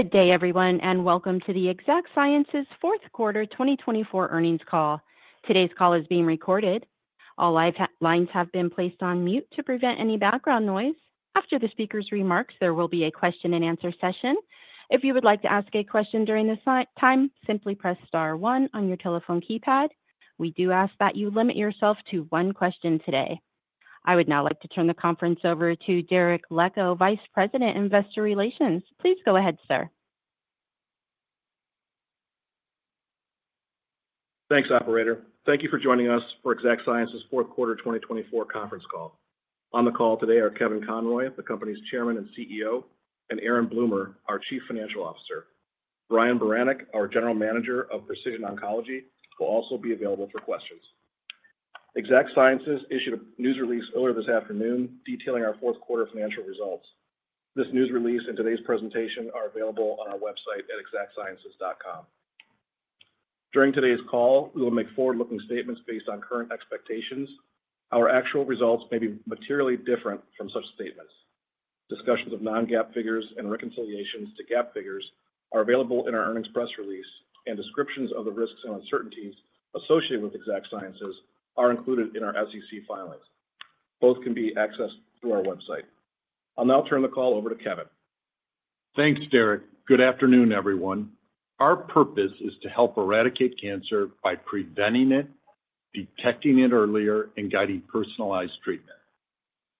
Good day, everyone, and welcome to the Exact Sciences Q4 2024 Earnings Call. Today's call is being recorded. All lines have been placed on mute to prevent any background noise. After the speaker's remarks, there will be a question-and-answer session. If you would like to ask a question during this time, simply press star one on your telephone keypad. We do ask that you limit yourself to one question today. I would now like to turn the conference over to Derek Leckow, Vice President, Investor Relations. Please go ahead, sir. Thanks, Operator. Thank you for joining us for Exact Sciences Q4 2024 Conference Call. On the call today are Kevin Conroy, the company's Chairman and CEO, and Aaron Bloomer, our Chief Financial Officer. Brian Baranick, our General Manager of Precision Oncology, will also be available for questions. Exact Sciences issued a news release earlier this afternoon detailing our Q4 financial results. This news release and today's presentation are available on our website at exactsciences.com. During today's call, we will make forward-looking statements based on current expectations. Our actual results may be materially different from such statements. Discussions of non-GAAP figures and reconciliations to GAAP figures are available in our earnings press release, and descriptions of the risks and uncertainties associated with Exact Sciences are included in our SEC filings. Both can be accessed through our website. I'll now turn the call over to Kevin. Thanks, Derek. Good afternoon, everyone. Our purpose is to help eradicate cancer by preventing it, detecting it earlier, and guiding personalized treatment.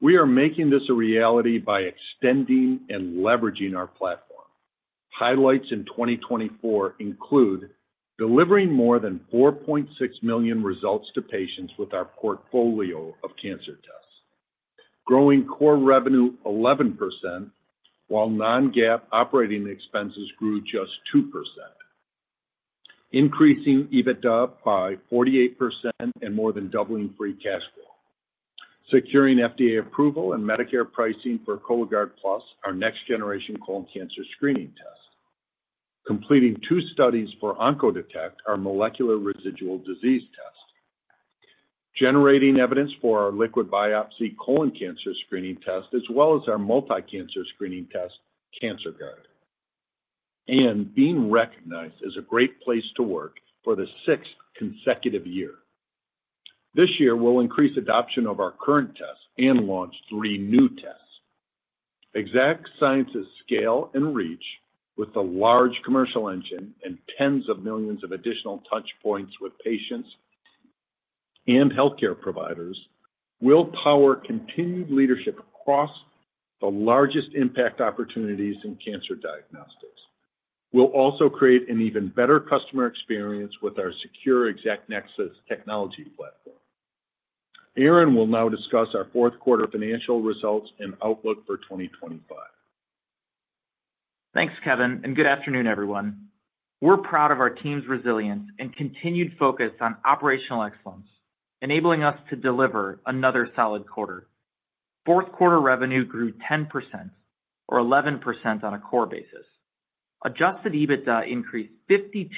We are making this a reality by extending and leveraging our platform. Highlights in 2024 include delivering more than 4.6 million results to patients with our portfolio of cancer tests, growing core revenue 11%, while non-GAAP operating expenses grew just 2%, increasing EBITDA by 48% and more than doubling free cash flow. Securing FDA approval and Medicare pricing for Cologuard Plus, our next-generation colon cancer screening test, completing two studies for OncoDetect, our molecular residual disease test, generating evidence for our liquid biopsy colon cancer screening test, as well as our multi-cancer screening test, CancerGuard, and being recognized as a great place to work for the sixth consecutive year. This year, we'll increase adoption of our current test and launch three new tests. Exact Sciences' scale and reach, with the large commercial engine and tens of millions of additional touch points with patients and healthcare providers, will power continued leadership across the largest impact opportunities in cancer diagnostics. We'll also create an even better customer experience with our secure ExactNexus technology platform. Aaron will now discuss our Q4 financial results and outlook for 2025. Thanks, Kevin, and good afternoon, everyone. We're proud of our team's resilience and continued focus on operational excellence, enabling us to deliver another solid quarter. Q4 revenue grew 10%, or 11% on a core basis. Adjusted EBITDA increased 52%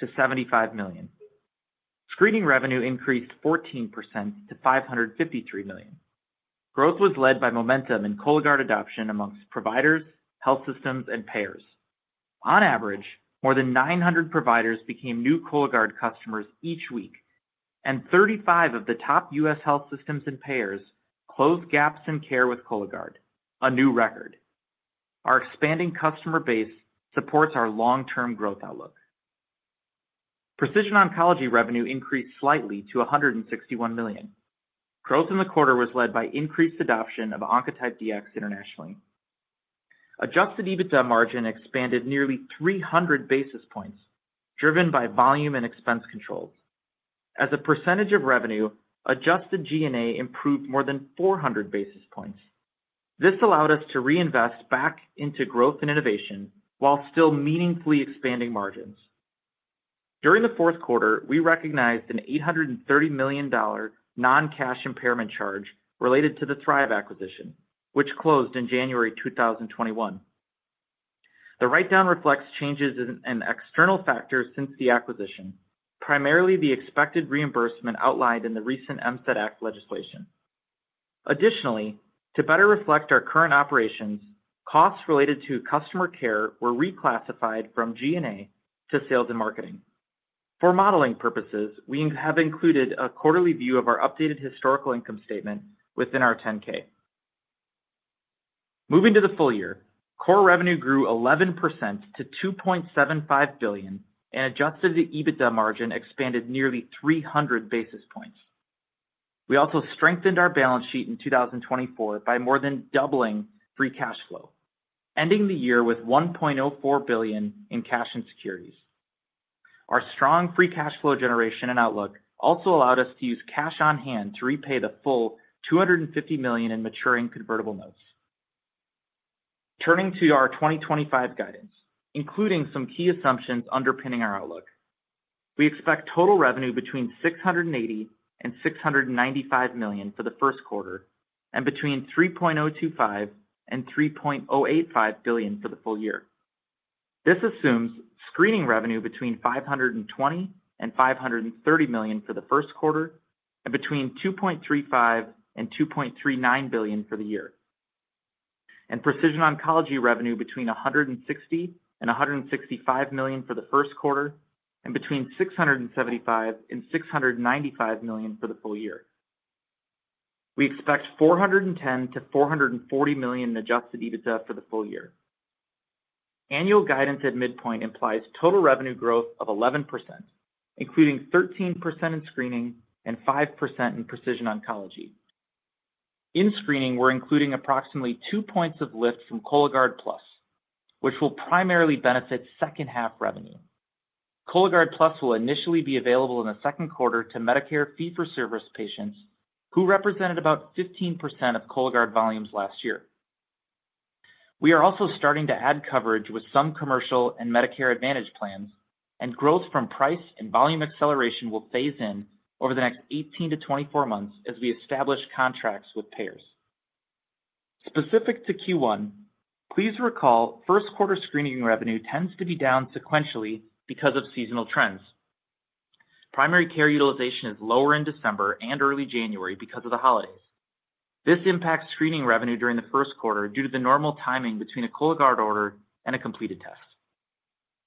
to $75 million. Screening revenue increased 14% to $553 million. Growth was led by momentum in Cologuard adoption amongst providers, health systems, and payers. On average, more than 900 providers became new Cologuard customers each week, and 35 of the top US health systems and payers closed gaps in care with Cologuard, a new record. Our expanding customer base supports our long-term growth outlook. Precision Oncology revenue increased slightly to $161 million. Growth in the quarter was led by increased adoption of Oncotype DX internationally. Adjusted EBITDA margin expanded nearly 300 basis points, driven by volume and expense controls. As a percentage of revenue, adjusted G&A improved more than 400 basis points. This allowed us to reinvest back into growth and innovation while still meaningfully expanding margins. During the Q4 we recognized an $830 million non-cash impairment charge related to the Thrive acquisition, which closed in January 2021. The write-down reflects changes in external factors since the acquisition, primarily the expected reimbursement outlined in the recent MCED Act legislation. Additionally, to better reflect our current operations, costs related to customer care were reclassified from G&A to sales and marketing. For modeling purposes, we have included a quarterly view of our updated historical income statement within our 10-K. Moving to the full year, core revenue grew 11% to $2.75 billion, and adjusted EBITDA margin expanded nearly 300 basis points. We also strengthened our balance sheet in 2024 by more than doubling free cash flow, ending the year with $1.04 billion in cash and securities. Our strong free cash flow generation and outlook also allowed us to use cash on hand to repay the full $250 million in maturing convertible notes. Turning to our 2025 guidance, including some key assumptions underpinning our outlook, we expect total revenue between $680 and 695 million for the Q1 and between $3.025 and 3.085 billion for the full year. This assumes screening revenue between $520 and 530 million for the Q1 and between $2.35 and 2.39 billion for the year, and Precision Oncology revenue between $160 and 165 million for the Q1 and between $675 and 695 million for the full year. We expect $410 to 440 million in adjusted EBITDA for the full year. Annual guidance at midpoint implies total revenue growth of 11%, including 13% in screening and 5% in Precision Oncology. In screening, we're including approximately two points of lift from Cologuard Plus, which will primarily benefit second-half revenue. Cologuard Plus will initially be available in the Q2 to Medicare fee-for-service patients, who represented about 15% of Cologuard volumes last year. We are also starting to add coverage with some commercial and Medicare Advantage plans, and growth from price and volume acceleration will phase in over the next 18-24 months as we establish contracts with payers. Specific to Q1, please recall Q1 screening revenue tends to be down sequentially because of seasonal trends. Primary care utilization is lower in December and early January because of the holidays. This impacts screening revenue during the Q1 due to the normal timing between a Cologuard order and a completed test.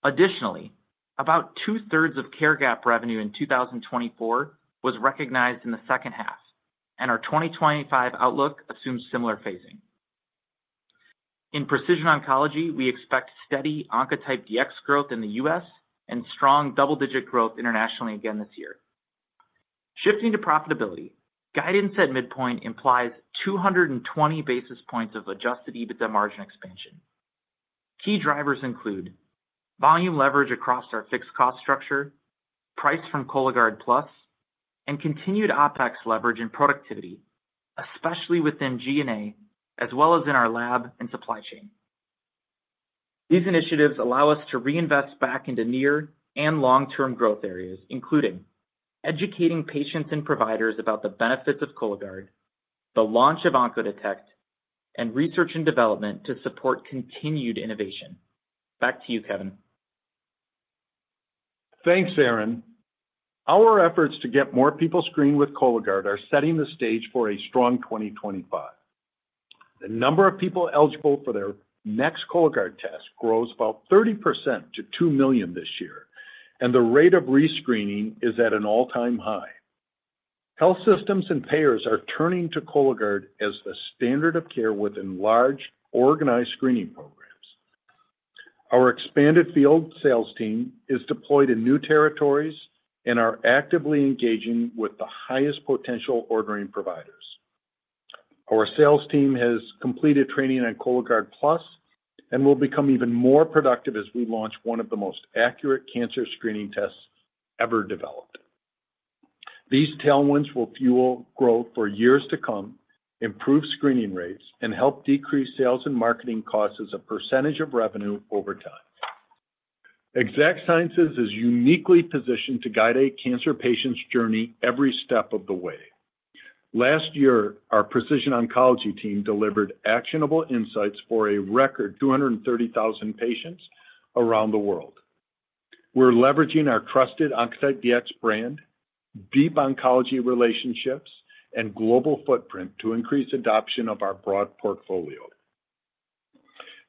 Additionally, about 2/3 of care gap revenue in 2024 was recognized in the second half, and our 2025 outlook assumes similar phasing. In Precision Oncology, we expect steady Oncotype DX growth in the US and strong double-digit growth internationally again this year. Shifting to profitability, guidance at midpoint implies 220 basis points of adjusted EBITDA margin expansion. Key drivers include volume leverage across our fixed cost structure, price from Cologuard Plus, and continued OpEx leverage and productivity, especially within G&A, as well as in our lab and supply chain. These initiatives allow us to reinvest back into near and long-term growth areas, including educating patients and providers about the benefits of Cologuard, the launch of OncoDetect, and research and development to support continued innovation. Back to you, Kevin. Thanks, Aaron. Our efforts to get more people screened with Cologuard are setting the stage for a strong 2025. The number of people eligible for their next Cologuard test grows about 30% to 2 million this year, and the rate of rescreening is at an all-time high. Health systems and payers are turning to Cologuard as the standard of care within large, organized screening programs. Our expanded field sales team is deployed in new territories and is actively engaging with the highest potential ordering providers. Our sales team has completed training on Cologuard Plus and will become even more productive as we launch one of the most accurate cancer screening tests ever developed. These tailwinds will fuel growth for years to come, improve screening rates, and help decrease sales and marketing costs as a percentage of revenue over time. Exact Sciences is uniquely positioned to guide a cancer patient's journey every step of the way. Last year, our Precision Oncology team delivered actionable insights for a record 230,000 patients around the world. We're leveraging our trusted Oncotype DX brand, deep oncology relationships, and global footprint to increase adoption of our broad portfolio.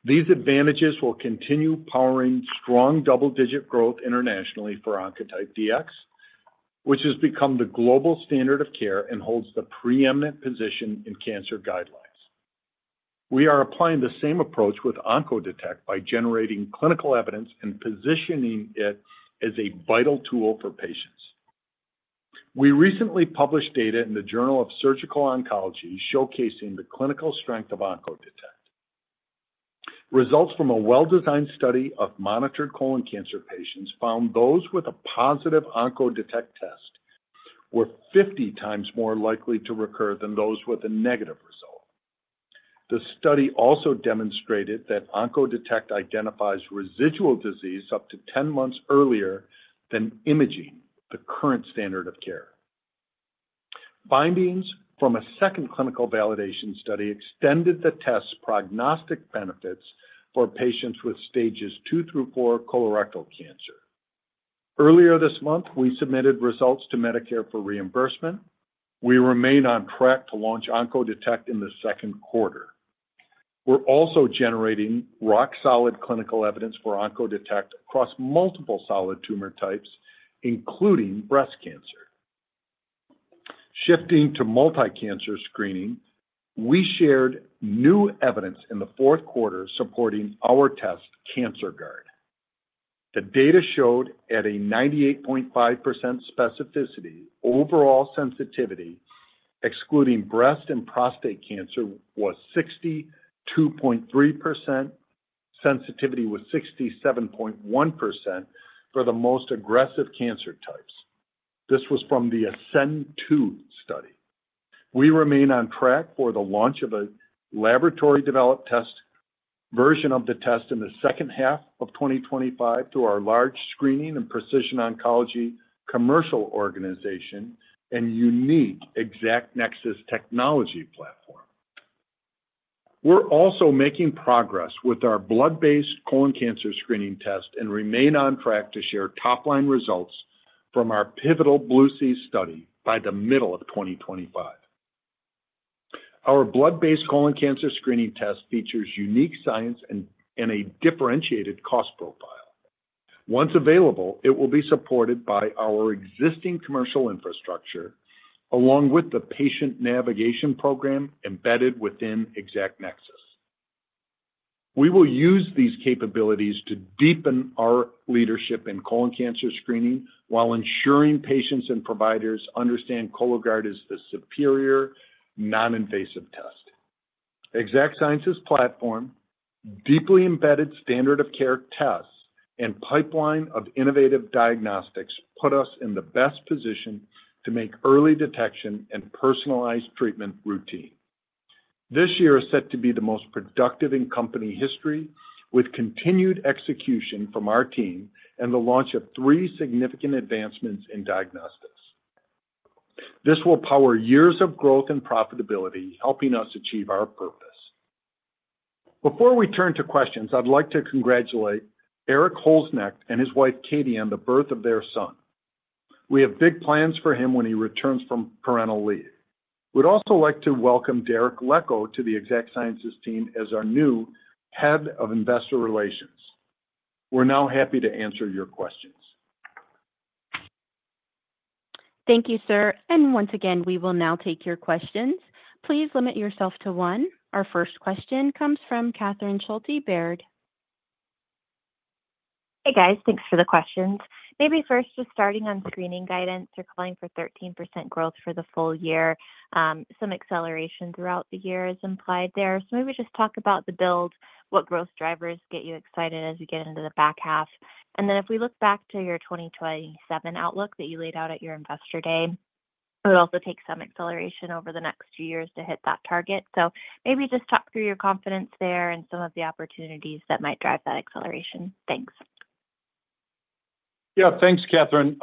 These advantages will continue powering strong double-digit growth internationally for Oncotype DX, which has become the global standard of care and holds the preeminent position in cancer guidelines. We are applying the same approach with OncoDetect by generating clinical evidence and positioning it as a vital tool for patients. We recently published data in the Journal of Surgical Oncology showcasing the clinical strength of OncoDetect. Results from a well-designed study of monitored colon cancer patients found those with a positive OncoDetect test were 50 times more likely to recur than those with a negative result. The study also demonstrated that OncoDetect identifies residual disease up to 10 months earlier than imaging, the current standard of care. Findings from a second clinical validation study extended the test's prognostic benefits for patients with stages two through four colorectal cancer. Earlier this month, we submitted results to Medicare for reimbursement. We remain on track to launch OncoDetect in the Q2. We're also generating rock-solid clinical evidence for OncoDetect across multiple solid tumor types, including breast cancer. Shifting to multi-cancer screening, we shared new evidence in the Q4 supporting our test, CancerGuard. The data showed at a 98.5% specificity, overall sensitivity excluding breast and prostate cancer was 62.3%, sensitivity was 67.1% for the most aggressive cancer types. This was from the ASCEND-2 study. We remain on track for the launch of a laboratory-developed test version of the test in the second half of 2025 through our large screening and Precision Oncology commercial organization and unique ExactNexus technology platform. We're also making progress with our blood-based colon cancer screening test and remain on track to share top-line results from our pivotal BLUE-C study by the middle of 2025. Our blood-based colon cancer screening test features unique science and a differentiated cost profile. Once available, it will be supported by our existing commercial infrastructure along with the patient navigation program embedded within ExactNexus. We will use these capabilities to deepen our leadership in colon cancer screening while ensuring patients and providers understand Cologuard as the superior non-invasive test. Exact Sciences' platform, deeply embedded standard of care tests, and pipeline of innovative diagnostics put us in the best position to make early detection and personalized treatment routine. This year is set to be the most productive in company history, with continued execution from our team and the launch of three significant advancements in diagnostics. This will power years of growth and profitability, helping us achieve our purpose. Before we turn to questions, I'd like to congratulate Erik Holznecht and his wife, Katie, on the birth of their son. We have big plans for him when he returns from parental leave. We'd also like to welcome Derek Leckow to the Exact Sciences team as our new head of investor relations. We're now happy to answer your questions. Thank you, sir. And once again, we will now take your questions. Please limit yourself to one. Our first question comes from Catherine Schulte, Baird. Hey, guys. Thanks for the questions. Maybe first, just starting on screening guidance, you're calling for 13% growth for the full year. Some acceleration throughout the year is implied there. So maybe just talk about the build, what growth drivers get you excited as we get into the back half. And then if we look back to your 2027 outlook that you laid out at your investor day, it would also take some acceleration over the next few years to hit that target. So maybe just talk through your confidence there and some of the opportunities that might drive that acceleration. Thanks. Yeah, thanks, Katherine.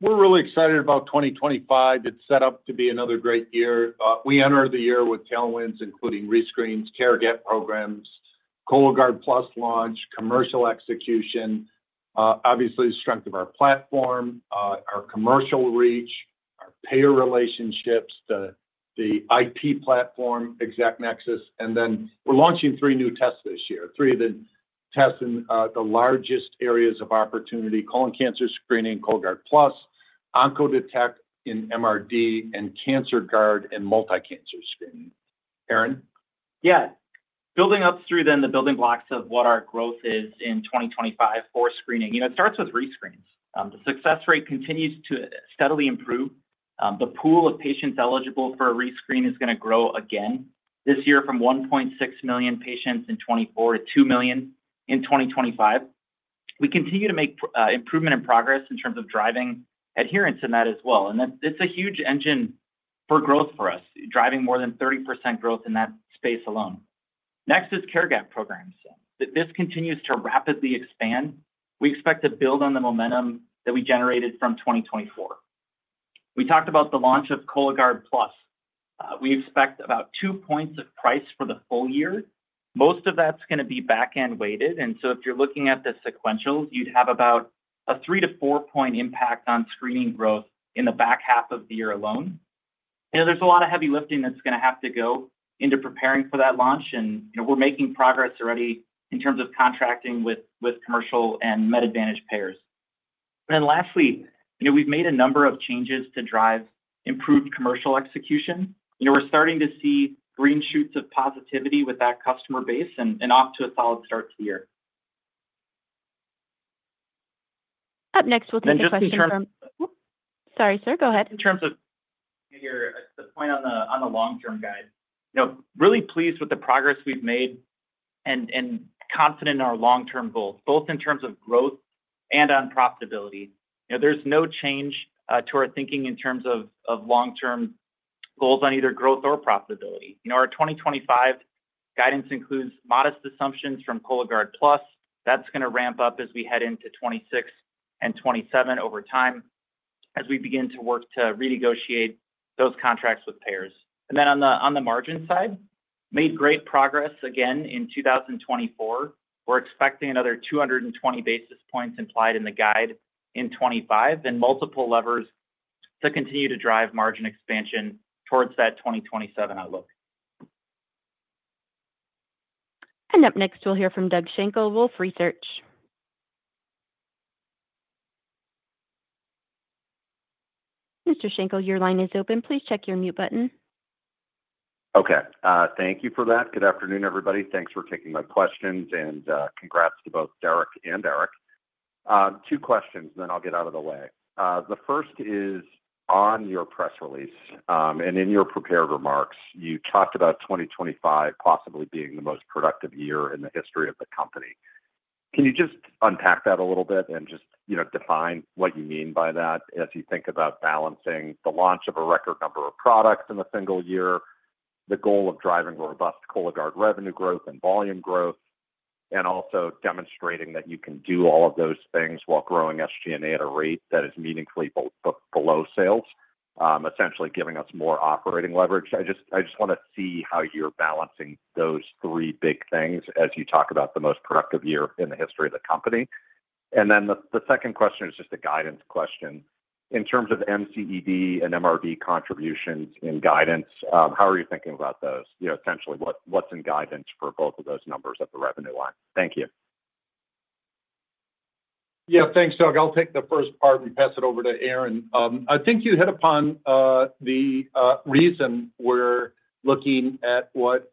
We're really excited about 2025. It's set up to be another great year. We enter the year with tailwinds, including rescreens, care gap programs, Cologuard Plus launch, commercial execution, obviously the strength of our platform, our commercial reach, our payer relationships, the IP platform, ExactNexus. And then we're launching three new tests this year, three of the tests in the largest areas of opportunity: colon cancer screening, Cologuard Plus, OncoDetect in MRD, and CancerGuard in multi-cancer screening. Aaron? Yeah. Building up through then the building blocks of what our growth is in 2025 for screening, it starts with rescreens. The success rate continues to steadily improve. The pool of patients eligible for a rescreen is going to grow again this year from 1.6 million patients in 2024 to 2 million in 2025. We continue to make improvement and progress in terms of driving adherence in that as well. And it's a huge engine for growth for us, driving more than 30% growth in that space alone. Next is care gap programs. This continues to rapidly expand. We expect to build on the momentum that we generated from 2024. We talked about the launch of Cologuard Plus. We expect about two points of price for the full year. Most of that's going to be back-end weighted. If you're looking at the sequentials, you'd have about a three- to four-point impact on screening growth in the back half of the year alone. There's a lot of heavy lifting that's going to have to go into preparing for that launch. We're making progress already in terms of contracting with commercial and Med Advantage payers. Then lastly, we've made a number of changes to drive improved commercial execution. We're starting to see green shoots of positivity with that customer base and off to a solid start to the year. Up next, we'll take a question from. In terms of. Sorry, sir. Go ahead. In terms of the point on the long-term guide, really pleased with the progress we've made and confident in our long-term goals, both in terms of growth and on profitability. There's no change to our thinking in terms of long-term goals on either growth or profitability. Our 2025 guidance includes modest assumptions from Cologuard Plus. That's going to ramp up as we head into 2026 and 2027 over time as we begin to work to renegotiate those contracts with payers. And then on the margin side, made great progress again in 2024. We're expecting another 220 basis points implied in the guide in 2025 and multiple levers to continue to drive margin expansion towards that 2027 outlook. And up next, we'll hear from Doug Schenkel, Wolfe Research. Mr. Schenkel, your line is open. Please check your mute button. Okay. Thank you for that. Good afternoon, everybody. Thanks for taking my questions. And congrats to both Derek and Erik. Two questions, and then I'll get out of the way. The first is on your press release and in your prepared remarks, you talked about 2025 possibly being the most productive year in the history of the company. Can you just unpack that a little bit and just define what you mean by that as you think about balancing the launch of a record number of products in a single year, the goal of driving robust Cologuard revenue growth and volume growth, and also demonstrating that you can do all of those things while growing SG&A at a rate that is meaningfully below sales, essentially giving us more operating leverage? I just want to see how you're balancing those three big things as you talk about the most productive year in the history of the company. And then the second question is just a guidance question. In terms of MCED and MRD contributions in guidance, how are you thinking about those? Essentially, what's in guidance for both of those numbers at the revenue line? Thank you. Yeah, thanks, Doug. I'll take the first part and pass it over to Aaron. I think you hit upon the reason we're looking at what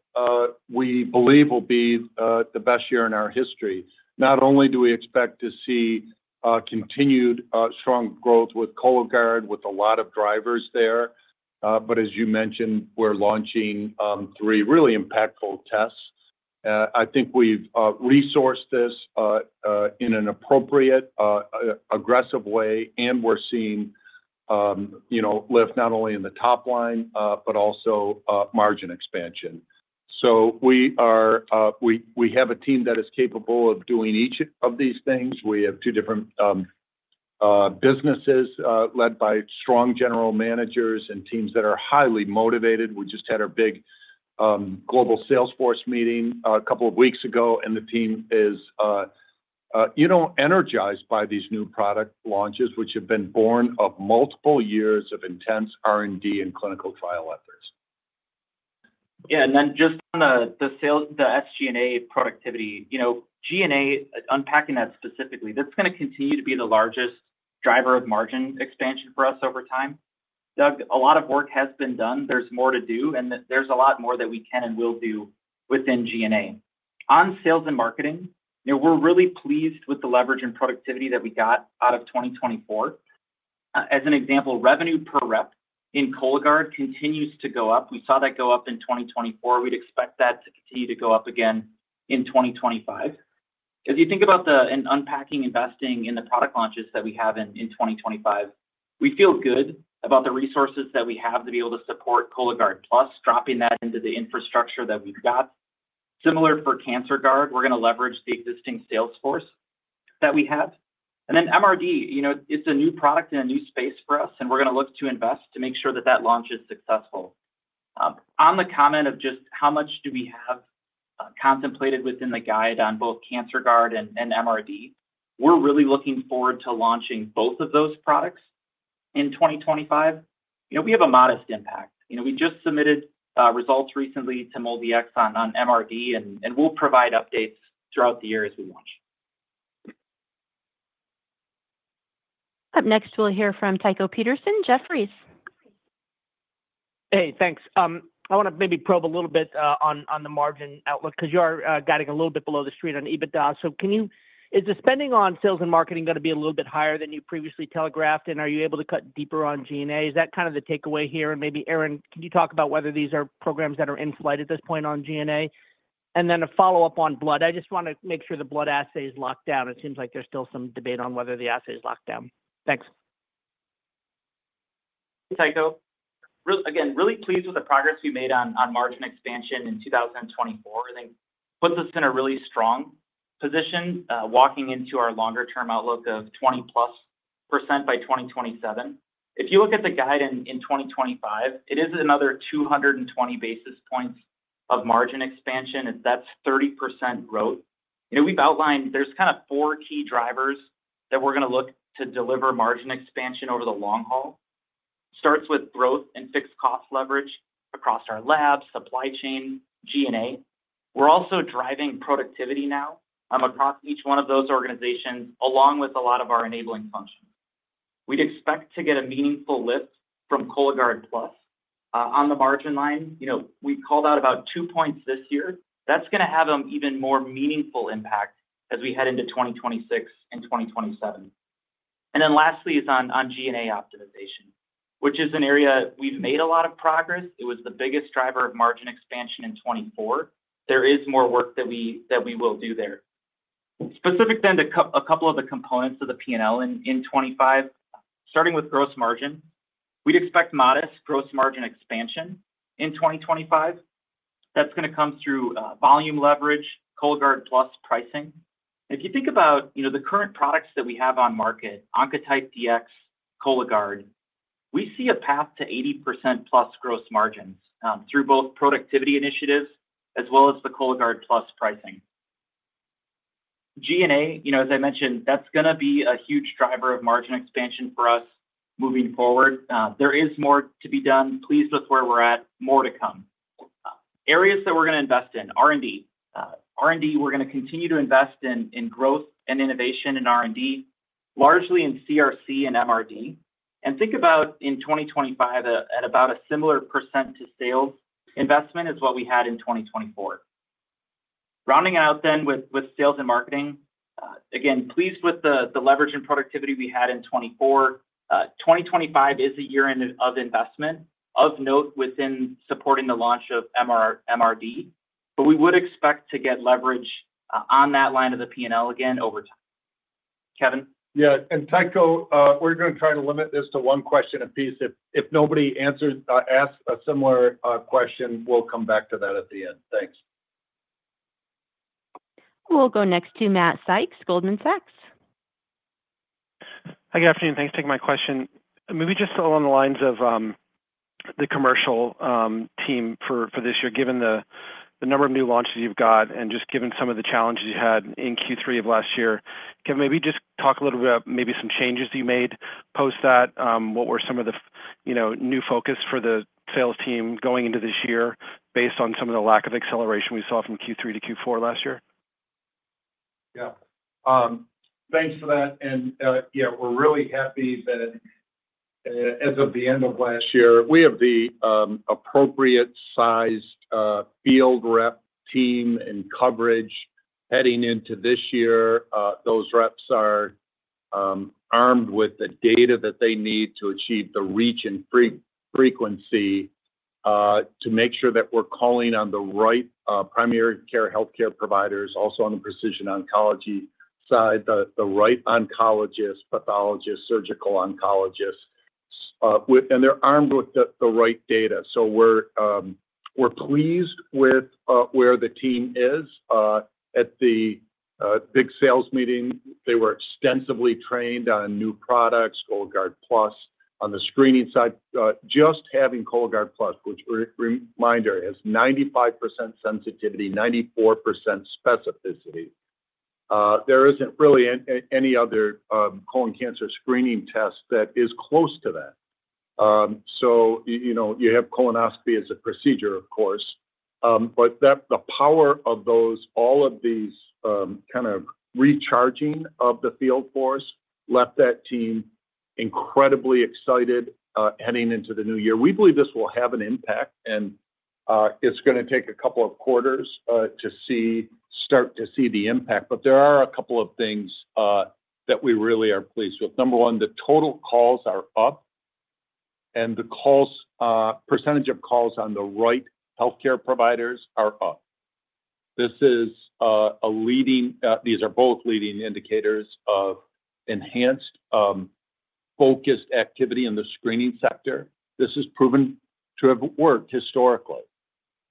we believe will be the best year in our history. Not only do we expect to see continued strong growth with Cologuard, with a lot of drivers there, but as you mentioned, we're launching three really impactful tests. I think we've resourced this in an appropriate, aggressive way, and we're seeing lift not only in the top line, but also margin expansion. We have a team that is capable of doing each of these things. We have two different businesses led by strong general managers and teams that are highly motivated. We just had our big global sales force meeting a couple of weeks ago, and the team is energized by these new product launches, which have been born of multiple years of intense R&D and clinical trial efforts. Yeah. And then just on the SG&A productivity, G&A, unpacking that specifically, that's going to continue to be the largest driver of margin expansion for us over time. Doug, a lot of work has been done. There's more to do, and there's a lot more that we can and will do within G&A. On sales and marketing, we're really pleased with the leverage and productivity that we got out of 2024. As an example, revenue per rep in Cologuard continues to go up. We saw that go up in 2024. We'd expect that to continue to go up again in 2025. As you think about unpacking investing in the product launches that we have in 2025, we feel good about the resources that we have to be able to support Cologuard Plus, dropping that into the infrastructure that we've got. Similar for CancerGuard, we're going to leverage the existing sales force that we have. And then MRD, it's a new product in a new space for us, and we're going to look to invest to make sure that that launch is successful. On the comment of just how much do we have contemplated within the guide on both CancerGuard and MRD, we're really looking forward to launching both of those products in 2025. We have a modest impact. We just submitted results recently to MolDX on MRD, and we'll provide updates throughout the year as we launch. Up next, we'll hear from Tycho Peterson. Jefferies. Hey, thanks. I want to maybe probe a little bit on the margin outlook because you are guiding a little bit below the street on EBITDA. So is the spending on sales and marketing going to be a little bit higher than you previously telegraphed? And are you able to cut deeper on G&A? Is that kind of the takeaway here? And maybe, Aaron, can you talk about whether these are programs that are in flight at this point on G&A? And then a follow-up on blood. I just want to make sure the blood assay is locked down. It seems like there's still some debate on whether the assay is locked down. Thanks. Tycho, again, really pleased with the progress we made on margin expansion in 2024. I think puts us in a really strong position, walking into our longer-term outlook of +20% by 2027. If you look at the guide in 2025, it is another 220 basis points of margin expansion. That's 30% growth. We've outlined there's kind of four key drivers that we're going to look to deliver margin expansion over the long haul. Starts with growth and fixed cost leverage across our labs, supply chain, G&A. We're also driving productivity now across each one of those organizations, along with a lot of our enabling functions. We'd expect to get a meaningful lift from Cologuard Plus on the margin line. We called out about two points this year. That's going to have an even more meaningful impact as we head into 2026 and 2027. Then lastly is on G&A optimization, which is an area we've made a lot of progress. It was the biggest driver of margin expansion in 2024. There is more work that we will do there. Specific then to a couple of the components of the P&L in 2025, starting with gross margin, we'd expect modest gross margin expansion in 2025. That's going to come through volume leverage, Cologuard Plus pricing. If you think about the current products that we have on market, Oncotype DX, Cologuard, we see a path to 80%-plus gross margins through both productivity initiatives as well as the Cologuard Plus pricing. G&A, as I mentioned, that's going to be a huge driver of margin expansion for us moving forward. There is more to be done. Pleased with where we're at, more to come. Areas that we're going to invest in, R&D. R&D, we're going to continue to invest in growth and innovation in R&D, largely in CRC and MRD. And think about in 2025 at about a similar percent to sales investment as what we had in 2024. Rounding out then with sales and marketing, again, pleased with the leverage and productivity we had in 2024. 2025 is a year of investment, of note, within supporting the launch of MRD, but we would expect to get leverage on that line of the P&L again over time. Kevin. Yeah, and Tycho, we're going to try to limit this to one question a piece. If nobody asks a similar question, we'll come back to that at the end. Thanks. We'll go next to Matt Sykes, Goldman Sachs. Hi, good afternoon. Thanks for taking my question. Maybe just along the lines of the commercial team for this year, given the number of new launches you've got and just given some of the challenges you had in Q3 of last year, can we maybe just talk a little bit about maybe some changes that you made post that? What were some of the new focus for the sales team going into this year based on some of the lack of acceleration we saw from Q3 to Q4 last year? Yeah. Thanks for that. And yeah, we're really happy that as of the end of last year, we have the appropriate-sized field rep team and coverage heading into this year. Those reps are armed with the data that they need to achieve the reach and frequency to make sure that we're calling on the right primary care healthcare providers, also on the precision oncology side, the right oncologists, pathologists, surgical oncologists. And they're armed with the right data. So we're pleased with where the team is at the big sales meeting. They were extensively trained on new products, Cologuard Plus. On the screening side, just having Cologuard Plus, which, reminder, has 95% sensitivity, 94% specificity. There isn't really any other colon cancer screening test that is close to that. So you have colonoscopy as a procedure, of course. But the power of those, all of these kind of recharging of the field force left that team incredibly excited heading into the new year. We believe this will have an impact, and it's going to take a couple of quarters to start to see the impact. But there are a couple of things that we really are pleased with. Number one, the total calls are up, and the percentage of calls on the right healthcare providers are up. These are both leading indicators of enhanced focused activity in the screening sector. This has proven to have worked historically.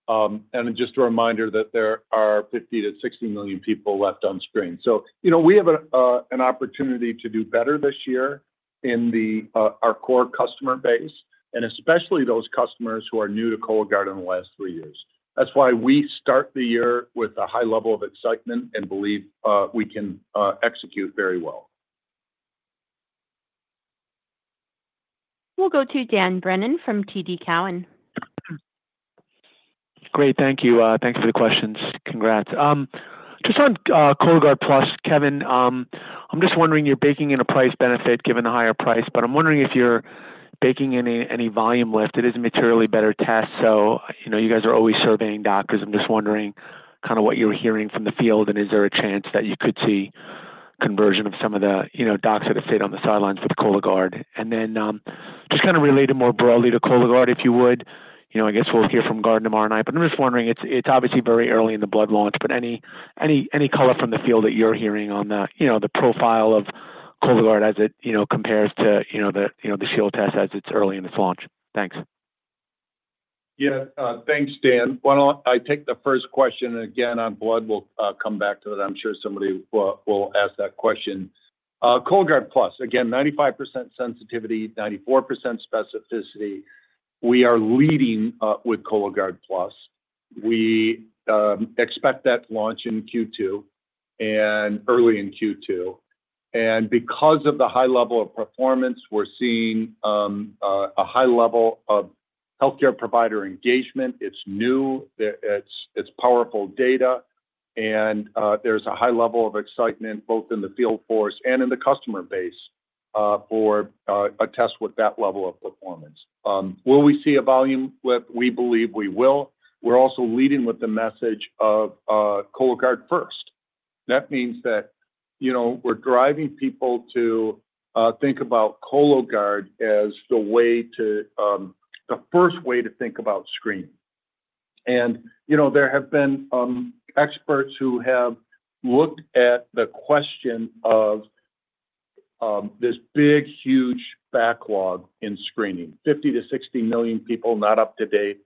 And just a reminder that there are 50 to 60 million people left unscreened. So we have an opportunity to do better this year in our core customer base, and especially those customers who are new to Cologuard in the last three years. That's why we start the year with a high level of excitement and believe we can execute very well. We'll go to Dan Brennan from TD Cowen. Great. Thank you. Thanks for the questions. Congrats. Just on Cologuard Plus, Kevin, I'm just wondering you're baking in a price benefit given the higher price, but I'm wondering if you're baking in any volume lift. It is a materially better test. So you guys are always surveying doctors. I'm just wondering kind of what you're hearing from the field, and is there a chance that you could see conversion of some of the docs that have stayed on the sidelines with Cologuard? And then just kind of relating more broadly to Cologuard, if you would. I guess we'll hear from Cologuard tomorrow night, but I'm just wondering. It's obviously very early in the blood launch, but any color from the field that you're hearing on the profile of Cologuard as it compares to the FIT test as it's early in its launch? Thanks. Yeah. Thanks, Dan. I take the first question, and again, on blood, we'll come back to it. I'm sure somebody will ask that question. Cologuard Plus, again, 95% sensitivity, 94% specificity. We are leading with Cologuard Plus. We expect that to launch in Q2 and early in Q2. And because of the high level of performance, we're seeing a high level of healthcare provider engagement. It's new. It's powerful data. And there's a high level of excitement both in the field force and in the customer base for a test with that level of performance. Will we see a volume lift? We believe we will. We're also leading with the message of Cologuard First. That means that we're driving people to think about Cologuard as the first way to think about screening. And there have been experts who have looked at the question of this big, huge backlog in screening. 50to 60 million people not up to date.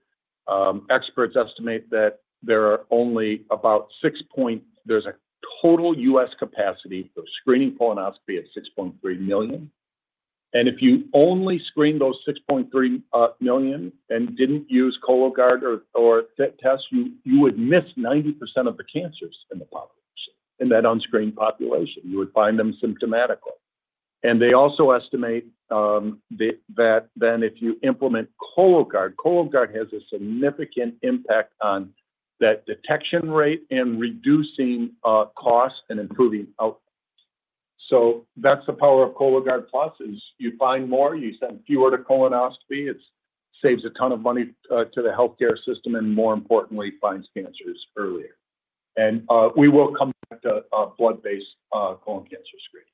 Experts estimate that there is only about 0.6% total US capacity for screening colonoscopy at 6.3 million. And if you only screen those 6.3 million and didn't use Cologuard or FIT test, you would miss 90% of the cancers in that unscreened population. You would find them symptomatically. And they also estimate that then if you implement Cologuard, Cologuard has a significant impact on that detection rate and reducing costs and improving outcomes. So that's the power of Cologuard Plus is you find more, you send fewer to colonoscopy, it saves a ton of money to the healthcare system, and more importantly, finds cancers earlier. And we will come back to blood-based colon cancer screening.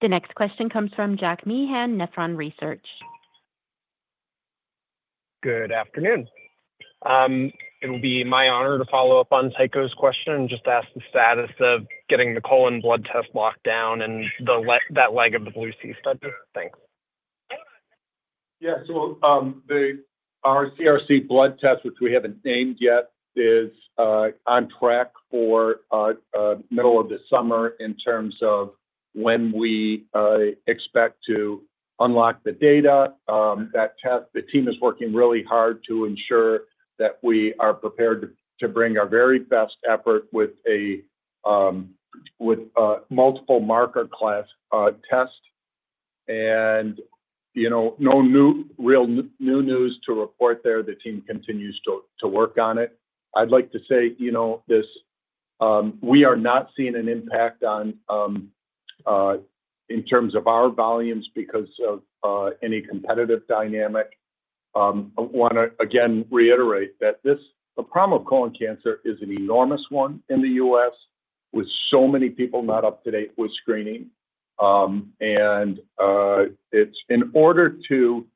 The next question comes from Jack Meehan, Nephron Research. Good afternoon. It will be my honor to follow up on Tycho's question and just ask the status of getting the colon blood test locked down and that leg of the BLUE-C study. Thanks. Yeah. So our CRC blood test, which we haven't named yet, is on track for the middle of the summer in terms of when we expect to unlock the data. That test, the team is working really hard to ensure that we are prepared to bring our very best effort with multiple marker class tests. And no real new news to report there. The team continues to work on it. I'd like to say this: we are not seeing an impact in terms of our volumes because of any competitive dynamic. I want to, again, reiterate that the problem of colon cancer is an enormous one in the US with so many people not up to date with screening. And in order to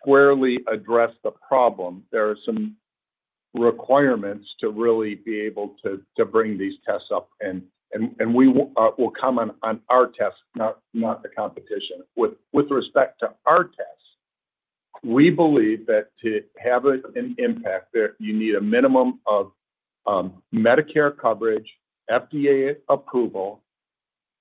squarely address the problem, there are some requirements to really be able to bring these tests up. And we will come on our test, not the competition. With respect to our test, we believe that to have an impact, you need a minimum of Medicare coverage, FDA approval,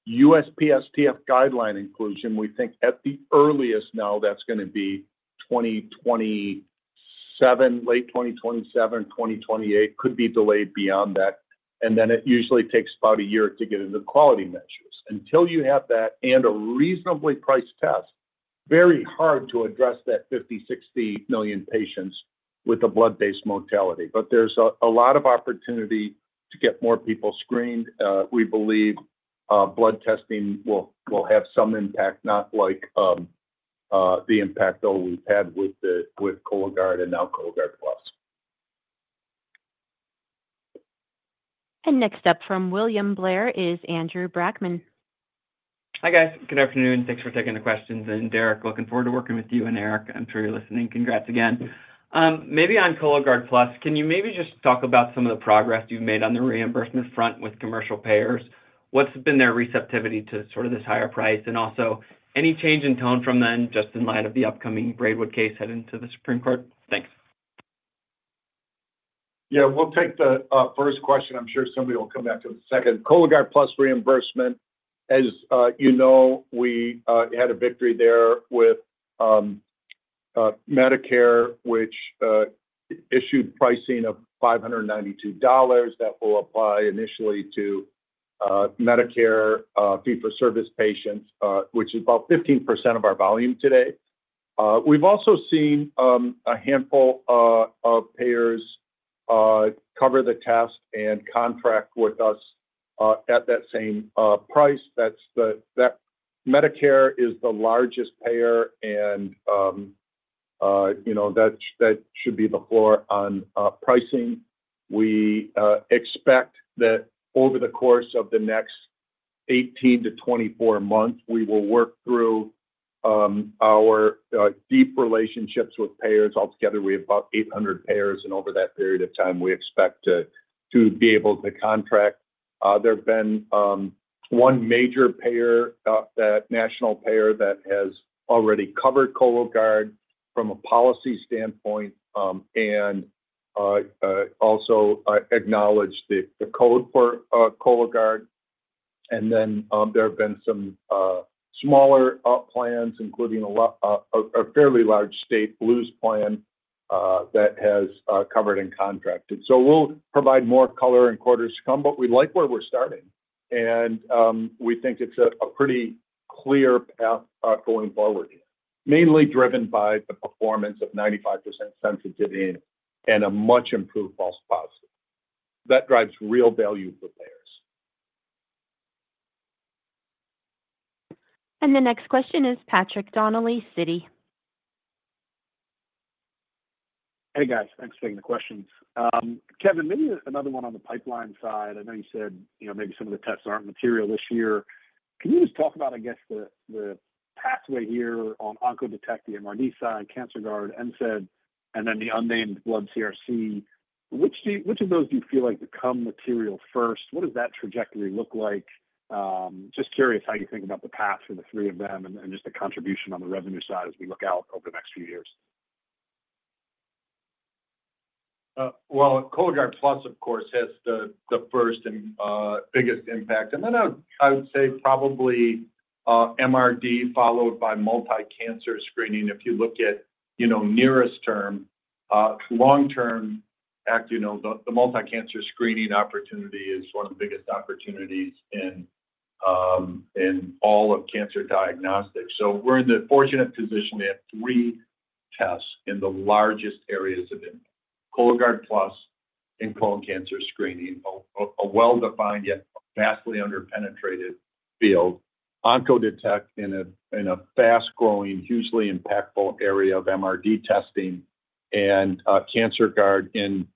USPSTF guideline inclusion. We think at the earliest now, that's going to be 2027, late 2027, 2028. It could be delayed beyond that, and then it usually takes about a year to get into quality measures. Until you have that and a reasonably priced test, very hard to address that 50/60 million patients with a blood-based modality, but there's a lot of opportunity to get more people screened. We believe blood testing will have some impact, not like the impact we've had with Cologuard and now Cologuard Plus. Next up from William Blair is Andrew Brackmann. Hi guys. Good afternoon. Thanks for taking the questions. And Derek, looking forward to working with you. And Eric, I'm sure you're listening. Congrats again. Maybe on Cologuard Plus, can you maybe just talk about some of the progress you've made on the reimbursement front with commercial payers? What's been their receptivity to sort of this higher price? And also any change in tone from them, just in light of the upcoming Braidwood case heading to the Supreme Court? Thanks. Yeah. We'll take the first question. I'm sure somebody will come back to the second. Cologuard Plus reimbursement, as you know, we had a victory there with Medicare, which issued pricing of $592. That will apply initially to Medicare fee-for-service patients, which is about 15% of our volume today. We've also seen a handful of payers cover the test and contract with us at that same price. That's that Medicare is the largest payer, and that should be the floor on pricing. We expect that over the course of the next 18-24 months, we will work through our deep relationships with payers. Altogether, we have about 800 payers, and over that period of time, we expect to be able to contract. There's been one major national payer that has already covered Cologuard from a policy standpoint and also acknowledged the code for Cologuard. And then there have been some smaller plans, including a fairly large state blues plan that has covered and contracted. So we'll provide more color and quarters to come, but we like where we're starting. And we think it's a pretty clear path going forward here, mainly driven by the performance of 95% sensitivity and a much improved false positive. That drives real value for payers. The next question is Patrick Donnelly, Citi. Hey guys. Thanks for taking the questions. Kevin, maybe another one on the pipeline side. I know you said maybe some of the tests aren't material this year. Can you just talk about, I guess, the pathway here on OncoDetect, the MRD side, CancerGuard, MCED, and then the unnamed blood CRC? Which of those do you feel like become material first? What does that trajectory look like? Just curious how you think about the path for the three of them and just the contribution on the revenue side as we look out over the next few years. Well, Cologuard Plus, of course, has the first and biggest impact. And then I would say probably MRD followed by multi-cancer screening. If you look at nearest term, long-term, the multi-cancer screening opportunity is one of the biggest opportunities in all of cancer diagnostics. So we're in the fortunate position to have three tests in the largest areas of impact: Cologuard Plus in colon cancer screening, a well-defined yet vastly underpenetrated field, OncoDetect in a fast-growing, hugely impactful area of MRD testing, and CancerGuard in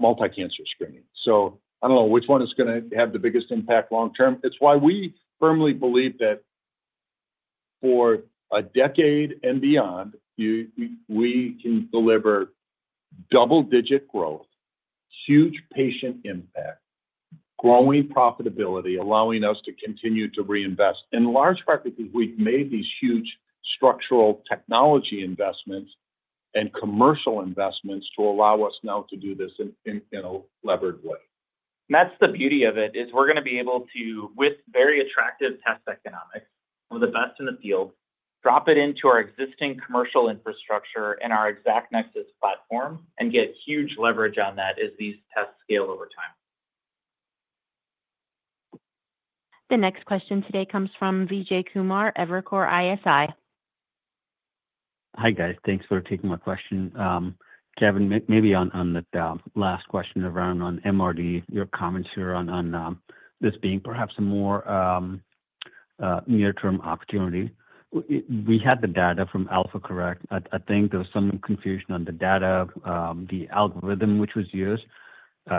multi-cancer screening, so I don't know which one is going to have the biggest impact long-term. It's why we firmly believe that for a decade and beyond, we can deliver double-digit growth, huge patient impact, growing profitability, allowing us to continue to reinvest. In large part because we've made these huge structural technology investments and commercial investments to allow us now to do this in a levered way. That's the beauty of it, is we're going to be able to, with very attractive test economics, some of the best in the field, drop it into our existing commercial infrastructure and our ExactNexus platform and get huge leverage on that as these tests scale over time. The next question today comes from Vijay Kumar, Evercore ISI. Hi guys. Thanks for taking my question. Kevin, maybe on the last question around MRD, your comments here on this being perhaps a more near-term opportunity. We had the data from CORRECT-MRD I. I think there was some confusion on the data, the algorithm which was used.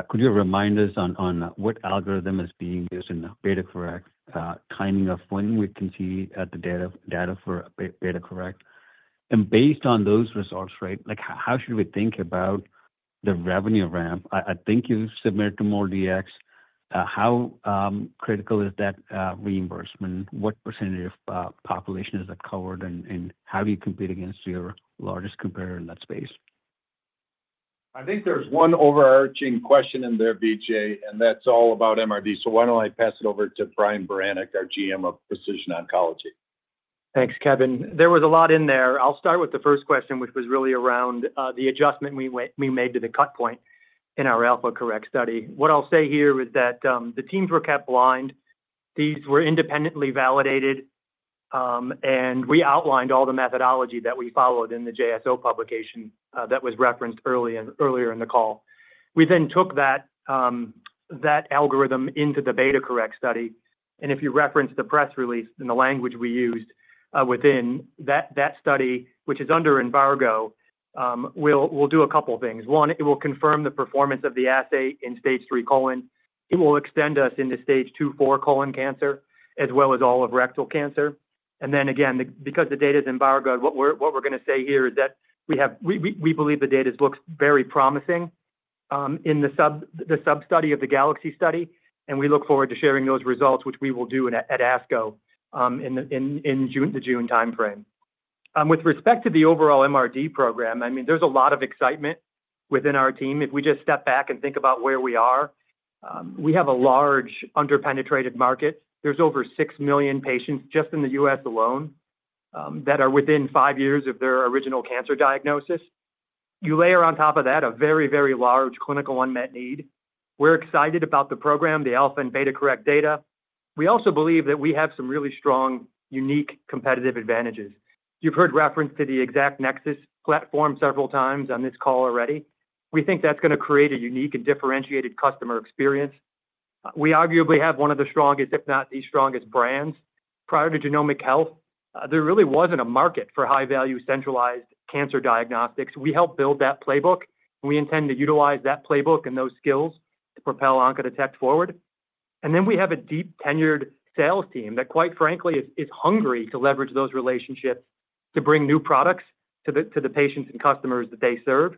Could you remind us on what algorithm is being used in CORRECT-MRD II, timing of when we can see the data for CORRECT-MRD II? And based on those results, right, how should we think about the revenue ramp? I think you submitted to MolDX. How critical is that reimbursement? What percentage of population is it covered? And how do you compete against your largest competitor in that space? I think there's one overarching question in there, Vijay, and that's all about MRD. So why don't I pass it over to Brian Baranick, our GM of Precision Oncology? Thanks, Kevin. There was a lot in there. I'll start with the first question, which was really around the adjustment we made to the cut point in our CORRECT-MRD I study. What I'll say here is that the teams were kept blind. These were independently validated, and we outlined all the methodology that we followed in the JSO publication that was referenced earlier in the call. We then took that algorithm into the CORRECT-MRD II study, and if you reference the press release and the language we used within that study, which is under embargo, we'll do a couple of things. One, it will confirm the performance of the assay in stage three colon. It will extend us into stage two, four colon cancer, as well as all of rectal cancer. And then again, because the data is embargoed, what we're going to say here is that we believe the data looks very promising in the sub-study of the GALAXY study. And we look forward to sharing those results, which we will do at ASCO in the June timeframe. With respect to the overall MRD program, I mean, there's a lot of excitement within our team. If we just step back and think about where we are, we have a large underpenetrated market. There's over six million patients just in the US alone that are within five years of their original cancer diagnosis. You layer on top of that a very, very large clinical unmet need. We're excited about the program, the CORRECT-MRD I and CORRECT-MRD II data. We also believe that we have some really strong, unique competitive advantages. You've heard reference to the ExactNexus platform several times on this call already. We think that's going to create a unique and differentiated customer experience. We arguably have one of the strongest, if not the strongest, brands. Prior to Genomic Health, there really wasn't a market for high-value centralized cancer diagnostics. We helped build that playbook. We intend to utilize that playbook and those skills to propel OncoDetect forward. And then we have a deep-tenured sales team that, quite frankly, is hungry to leverage those relationships to bring new products to the patients and customers that they serve.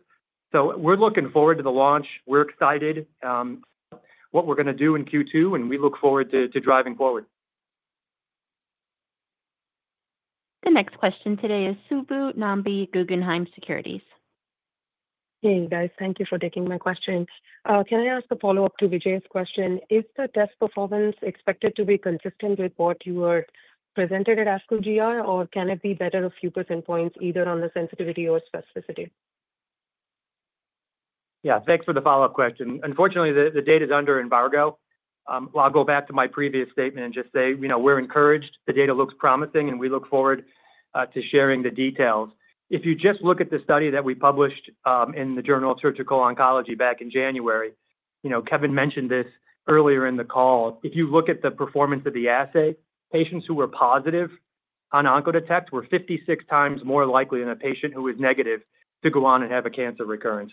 So we're looking forward to the launch. We're excited about what we're going to do in Q2, and we look forward to driving forward. The next question today is Subbu Nambi, Guggenheim Securities. Hey, guys. Thank you for taking my question. Can I ask a follow-up to Vijay's question? Is the test performance expected to be consistent with what you were presented at ASCO GI, or can it be better a few percentage points either on the sensitivity or specificity? Yeah. Thanks for the follow-up question. Unfortunately, the data is under embargo. I'll go back to my previous statement and just say we're encouraged. The data looks promising, and we look forward to sharing the details. If you just look at the study that we published in the Journal of Surgical Oncology back in January, Kevin mentioned this earlier in the call. If you look at the performance of the assay, patients who were positive on OncoDetect were 56 times more likely than a patient who was negative to go on and have a cancer recurrence.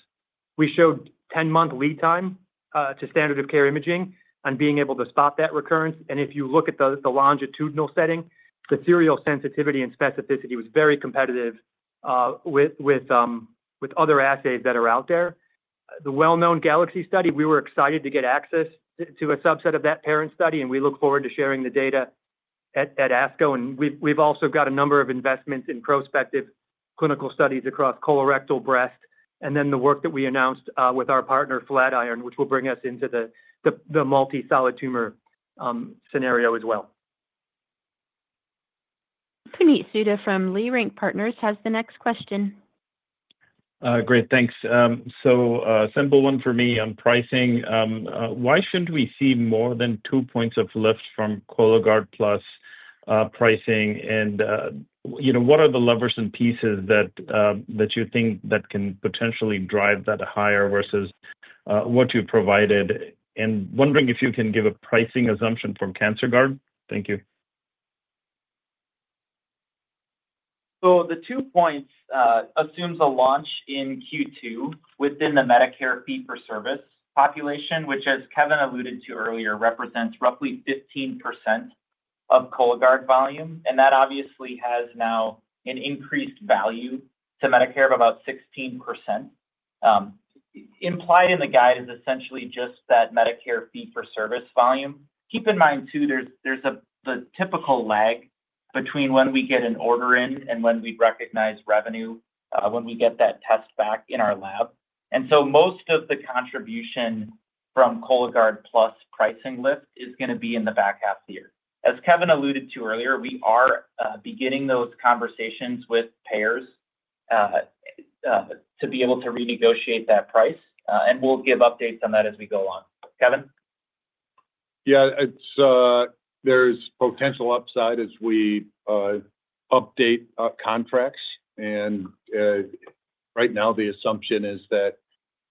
We showed 10-month lead time to standard of care imaging on being able to spot that recurrence. If you look at the longitudinal setting, the serial sensitivity and specificity was very competitive with other assays that are out there. The well-known GALAXY study, we were excited to get access to a subset of that parent study, and we look forward to sharing the data at ASCO, and we've also got a number of investments in prospective clinical studies across colorectal, breast, and then the work that we announced with our partner, Flatiron, which will bring us into the multi-solid tumor scenario as well. Puneet Souda from Leerink Partners has the next question. Great. Thanks. So simple one for me on pricing. Why shouldn't we see more than two points of lift from Cologuard Plus pricing? And what are the levers and pieces that you think that can potentially drive that higher versus what you provided? And wondering if you can give a pricing assumption for CancerGuard. Thank you. So the two points assume a launch in Q2 within the Medicare fee-for-service population, which, as Kevin alluded to earlier, represents roughly 15% of Cologuard volume. And that obviously has now an increased value to Medicare of about 16%. Implied in the guide is essentially just that Medicare fee-for-service volume. Keep in mind, too, there's the typical lag between when we get an order in and when we recognize revenue when we get that test back in our lab. And so most of the contribution from Cologuard Plus pricing lift is going to be in the back half of the year. As Kevin alluded to earlier, we are beginning those conversations with payers to be able to renegotiate that price. And we'll give updates on that as we go on. Kevin? Yeah. There's potential upside as we update contracts. And right now, the assumption is that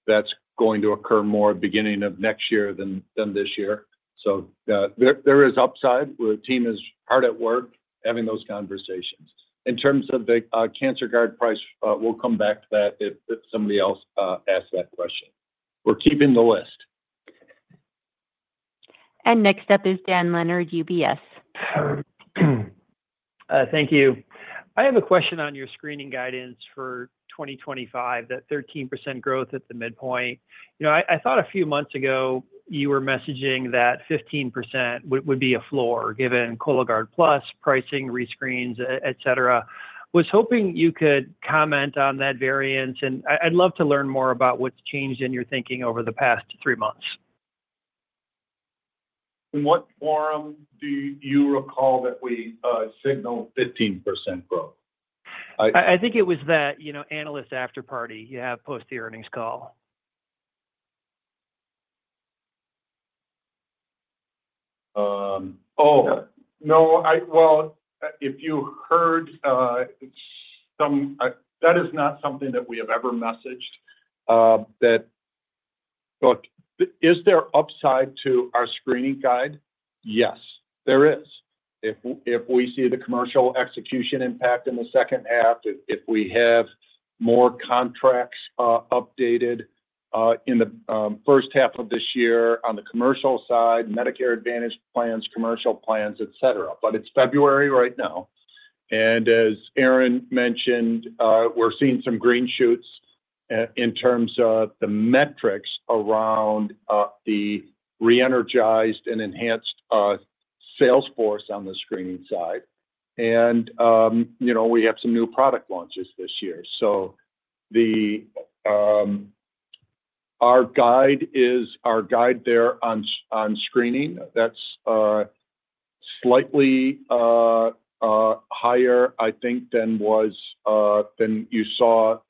that's going to occur more at the beginning of next year than this year. So there is upside. The team is hard at work having those conversations. In terms of the CancerGuard price, we'll come back to that if somebody else asks that question. We're keeping the list. Next up is Dan Leonard, UBS. Thank you. I have a question on your screening guidance for 2025, that 13% growth at the midpoint. I thought a few months ago you were messaging that 15% would be a floor given Cologuard Plus pricing, rescreens, etc. I was hoping you could comment on that variance. And I'd love to learn more about what's changed in your thinking over the past three months. In what forum do you recall that we signaled 15% growth? I think it was that analyst afterparty you have post the earnings call. Oh, no. Well, if you heard some, that is not something that we have ever messaged. But is there upside to our screening guide? Yes, there is. If we see the commercial execution impact in the second half, if we have more contracts updated in the first half of this year on the commercial side, Medicare Advantage plans, commercial plans, etc. But it's February right now. And as Aaron mentioned, we're seeing some green shoots in terms of the metrics around the re-energized and enhanced salesforce on the screening side. And we have some new product launches this year. So our guide is our guide there on screening. That's slightly higher, I think, than you saw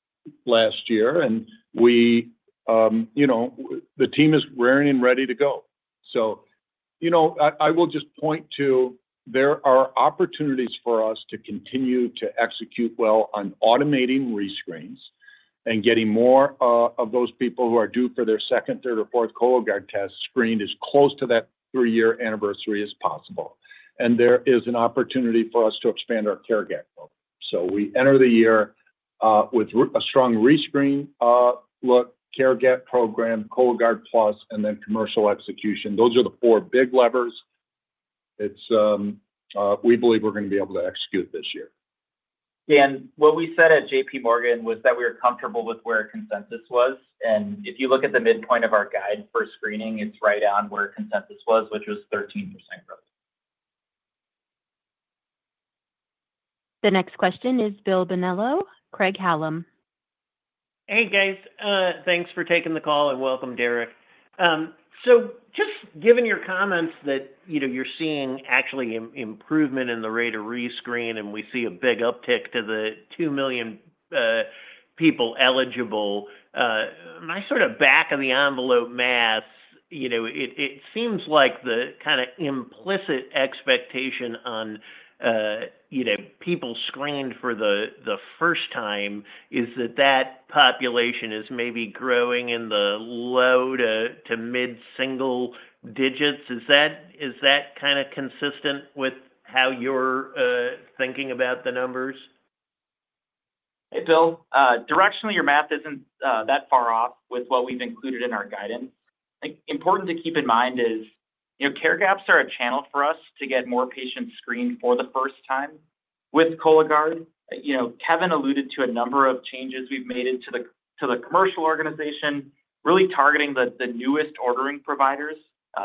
last year. And the team is ready and ready to go. So I will just point to there are opportunities for us to continue to execute well on automating rescreens and getting more of those people who are due for their second, third, or fourth Cologuard test screened as close to that three-year anniversary as possible. And there is an opportunity for us to expand our care gap program. So we enter the year with a strong rescreen look, care gap program, Cologuard Plus, and then commercial execution. Those are the four big levers we believe we're going to be able to execute this year. Dan, what we said at JPMorgan was that we were comfortable with where consensus was, and if you look at the midpoint of our guide for screening, it's right on where consensus was, which was 13% growth. The next question is Bill Bonello, Craig-Hallum. Hey, guys. Thanks for taking the call and welcome, Derek. So just given your comments that you're seeing actually improvement in the rate of rescreen and we see a big uptick to the 2 million people eligible, my sort of back-of-the-envelope math, it seems like the kind of implicit expectation on people screened for the first time is that that population is maybe growing in the low to mid-single digits. Is that kind of consistent with how you're thinking about the numbers? Hey, Bill. Directionally, your math isn't that far off with what we've included in our guidance. Important to keep in mind is care gaps are a channel for us to get more patients screened for the first time with Cologuard. Kevin alluded to a number of changes we've made into the commercial organization, really targeting the newest ordering providers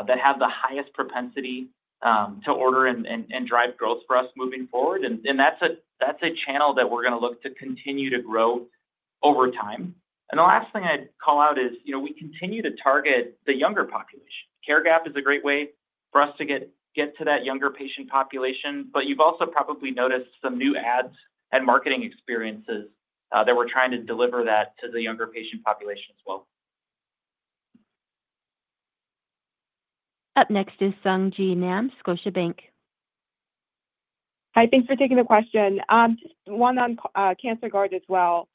that have the highest propensity to order and drive growth for us moving forward. And that's a channel that we're going to look to continue to grow over time. And the last thing I'd call out is we continue to target the younger population. care gap is a great way for us to get to that younger patient population. But you've also probably noticed some new ads and marketing experiences that we're trying to deliver that to the younger patient population as well. Up next is Sung Ji Nam, Scotiabank. Hi. Thanks for taking the question. Just one on CancerGuard as well.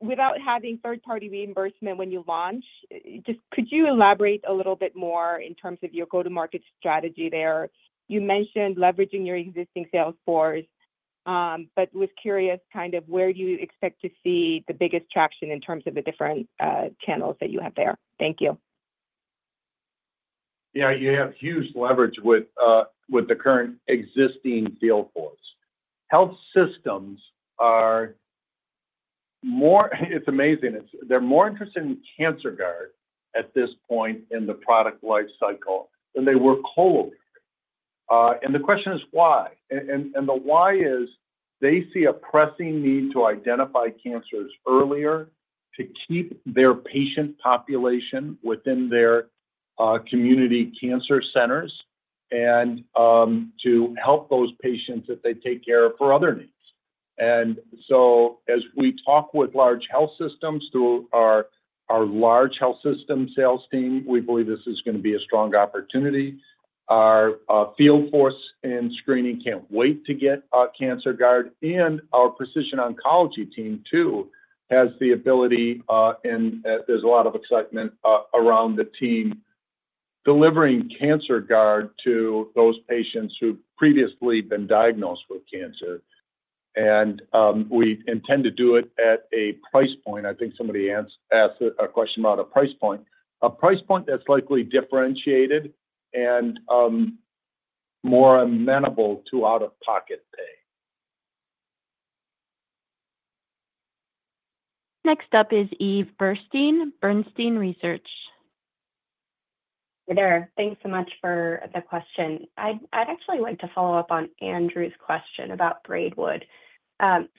Without having third-party reimbursement when you launch, could you elaborate a little bit more in terms of your go-to-market strategy there? You mentioned leveraging your existing salesforce, but was curious kind of where do you expect to see the biggest traction in terms of the different channels that you have there? Thank you. Yeah. You have huge leverage with the current existing field force. Health systems are more. It's amazing. They're more interested in CancerGuard at this point in the product lifecycle than they were Cologuard. And the question is why. And the why is they see a pressing need to identify cancers earlier to keep their patient population within their community cancer centers and to help those patients that they take care of for other needs. And so as we talk with large health systems through our large health system sales team, we believe this is going to be a strong opportunity. Our field force in screening can't wait to get CancerGuard. And our Precision Oncology team, too, has the ability. And there's a lot of excitement around the team delivering CancerGuard to those patients who've previously been diagnosed with cancer. And we intend to do it at a price point. I think somebody asked a question about a price point, a price point that's likely differentiated and more amenable to out-of-pocket pay. Next up is Eve Burstein, Bernstein Research. Hey there. Thanks so much for the question. I'd actually like to follow up on Andrew's question about Braidwood.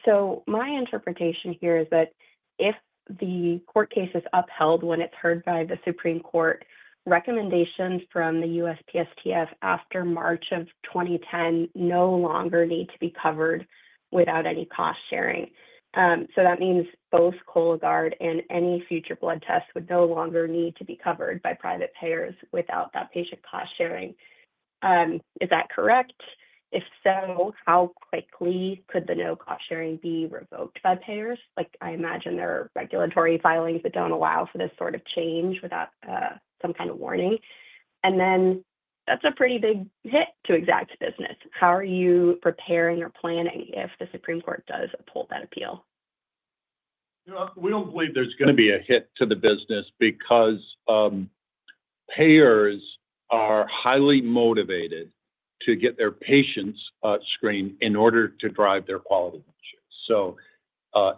So my interpretation here is that if the court case is upheld when it's heard by the Supreme Court, recommendations from the USPSTF after March of 2010 no longer need to be covered without any cost sharing. So that means both Cologuard and any future blood tests would no longer need to be covered by private payers without that patient cost sharing. Is that correct? If so, how quickly could the no-cost sharing be revoked by payers? I imagine there are regulatory filings that don't allow for this sort of change without some kind of warning. And then that's a pretty big hit to Exact's business. How are you preparing or planning if the Supreme Court does uphold that appeal? We don't believe there's going to be a hit to the business because payers are highly motivated to get their patients screened in order to drive their quality issues. So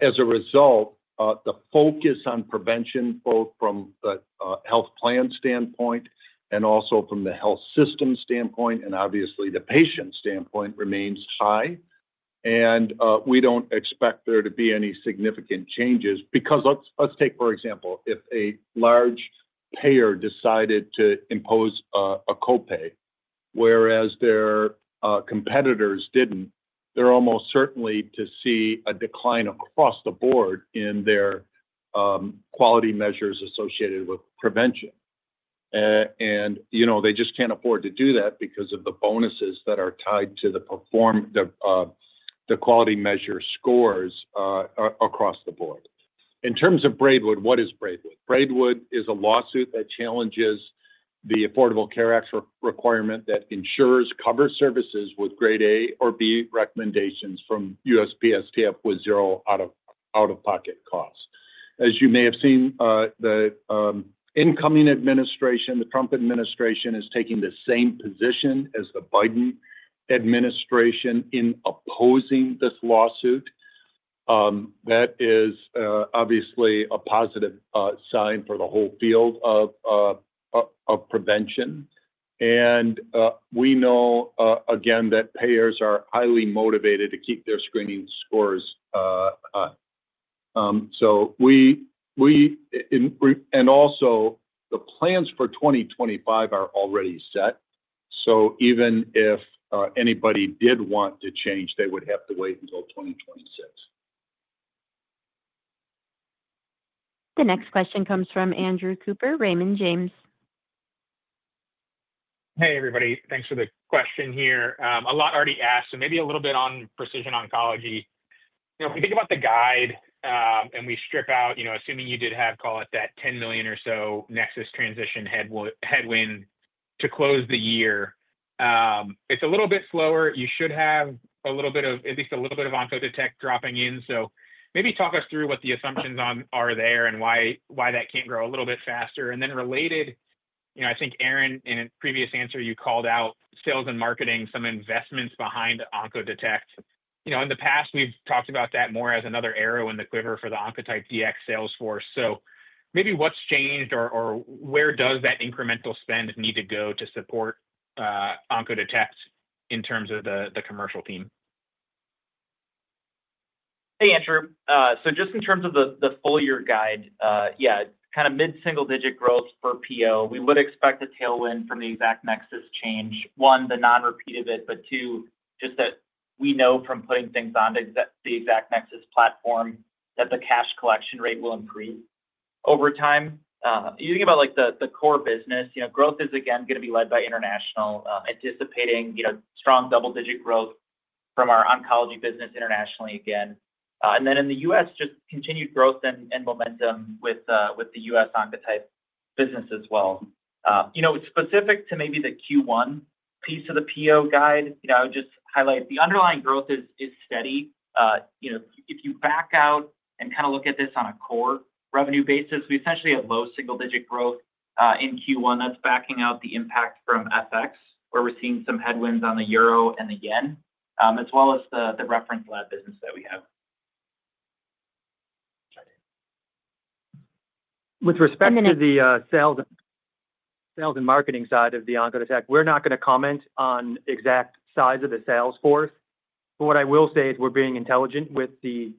as a result, the focus on prevention, both from a health plan standpoint and also from the health system standpoint and obviously the patient standpoint, remains high. And we don't expect there to be any significant changes because let's take, for example, if a large payer decided to impose a copay, whereas their competitors didn't, they're almost certainly to see a decline across the board in their quality measures associated with prevention. And they just can't afford to do that because of the bonuses that are tied to the quality measure scores across the board. In terms of Braidwood, what is Braidwood? Braidwood is a lawsuit that challenges the Affordable Care Act requirement that insurers cover services with Grade A or B recommendations from USPSTF with zero out-of-pocket costs. As you may have seen, the incoming administration, the Trump administration, is taking the same position as the Biden administration in opposing this lawsuit. That is obviously a positive sign for the whole field of prevention, and we know, again, that payers are highly motivated to keep their screening scores high, and also, the plans for 2025 are already set, so even if anybody did want to change, they would have to wait until 2026. The next question comes from Andrew Cooper, Raymond James. Hey, everybody. Thanks for the question here. A lot already asked. So maybe a little bit on precision oncology. If we think about the guide and we strip out, assuming you did have, call it that, $10 million or so Nexus transition headwind to close the year, it's a little bit slower. You should have a little bit of at least a little bit of OncoDetect dropping in. So maybe talk us through what the assumptions are there and why that can't grow a little bit faster. And then related, I think Aaron, in a previous answer, you called out sales and marketing, some investments behind OncoDetect. In the past, we've talked about that more as another arrow in the quiver for the Oncotype DX salesforce. So maybe what's changed or where does that incremental spend need to go to support OncoDetect in terms of the commercial team? Hey, Andrew. So just in terms of the full year guide, yeah, kind of mid-single-digit growth per PO. We would expect a tailwind from the ExactNexus change. One, the non-repeat of it, but two, just that we know from putting things on the ExactNexus platform that the cash collection rate will improve over time. You think about the core business, growth is, again, going to be led by international, anticipating strong double-digit growth from our oncology business internationally again. And then in the US, just continued growth and momentum with the US Oncotype business as well. Specific to maybe the Q1 piece of the PO guide, I would just highlight the underlying growth is steady. If you back out and kind of look at this on a core revenue basis, we essentially have low single-digit growth in Q1 that's backing out the impact from FX, where we're seeing some headwinds on the euro and the yen, as well as the reference lab business that we have. With respect to the sales and marketing side of the OncoDetect, we're not going to comment on exact size of the salesforce. But what I will say is we're being intelligent with the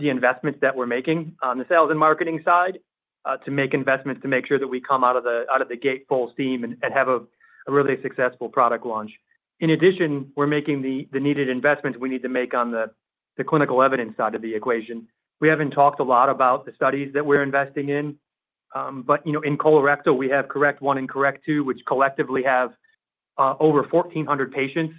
investments that we're making on the sales and marketing side to make investments to make sure that we come out of the gate full steam and have a really successful product launch. In addition, we're making the needed investments we need to make on the clinical evidence side of the equation. We haven't talked a lot about the studies that we're investing in. But in Cologuard, we have CORRECT-I and CORRECT-II, which collectively have over 1,400 patients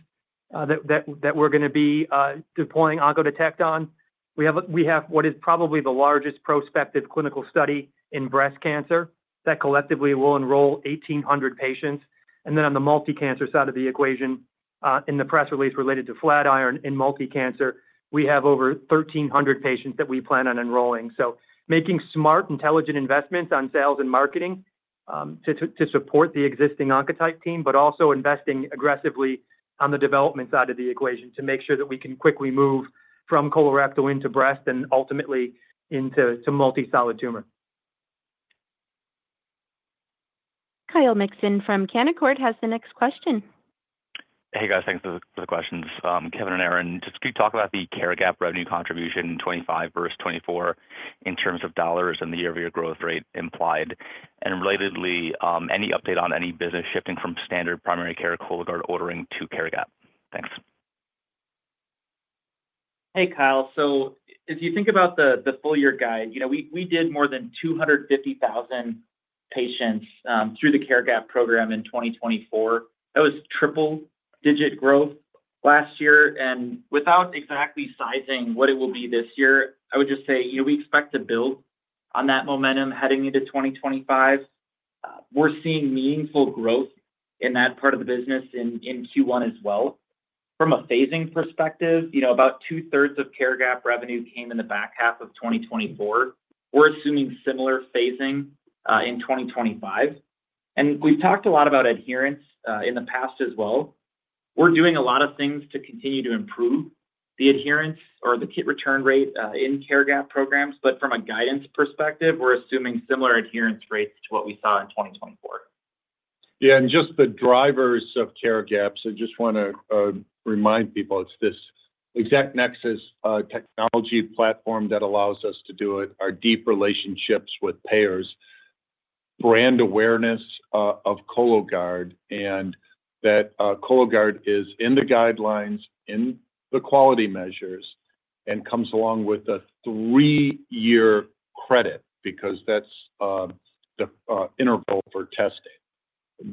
that we're going to be deploying OncoDetect on. We have what is probably the largest prospective clinical study in breast cancer that collectively will enroll 1,800 patients. And then on the multi-cancer side of the equation, in the press release related to Flatiron in multi-cancer, we have over 1,300 patients that we plan on enrolling. So making smart, intelligent investments on sales and marketing to support the existing Oncotype team, but also investing aggressively on the development side of the equation to make sure that we can quickly move from Cologuard to breast and ultimately into multi-solid tumor. Kyle Mikson from Canaccord has the next question. Hey, guys. Thanks for the questions. Kevin and Aaron, just could you talk about the care gap revenue contribution in 2025 versus 2024 in terms of dollars and the year-over-year growth rate implied? And relatedly, any update on any business shifting from standard primary care Cologuard ordering to care gap? Thanks. Hey, Kyle. So if you think about the full year guide, we did more than 250,000 patients through the care gap program in 2024. That was triple-digit growth last year. And without exactly sizing what it will be this year, I would just say we expect to build on that momentum heading into 2025. We're seeing meaningful growth in that part of the business in Q1 as well. From a phasing perspective, about 2/3 of care gap revenue came in the back half of 2024. We're assuming similar phasing in 2025. And we've talked a lot about adherence in the past as well. We're doing a lot of things to continue to improve the adherence or the kit return rate in care gap programs. But from a guidance perspective, we're assuming similar adherence rates to what we saw in 2024. Yeah. And just the drivers of care gap, so I just want to remind people it's this ExactNexus technology platform that allows us to do it, our deep relationships with payers, brand awareness of Cologuard, and that Cologuard is in the guidelines, in the quality measures, and comes along with a three-year credit because that's the interval for testing.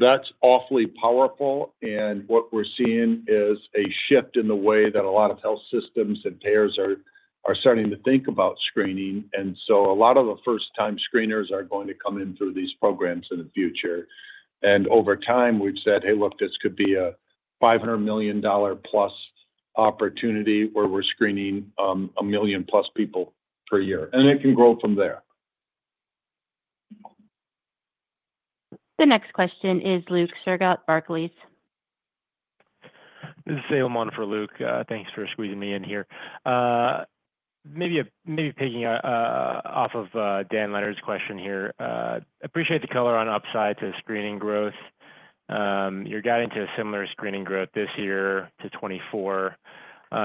That's awfully powerful. And what we're seeing is a shift in the way that a lot of health systems and payers are starting to think about screening. And so a lot of the first-time screeners are going to come in through these programs in the future. And over time, we've said, "Hey, look, this could be a $500+ million opportunity where we're screening a million-plus people per year." And it can grow from there. The next question is Luke Sergott, Barclays. This is Salem on for Luke. Thanks for squeezing me in here. Maybe picking off of Dan Leonard's question here. Appreciate the color on upside to screening growth. You're guiding to a similar screening growth this year to 2024.